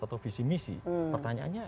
atau visi misi pertanyaannya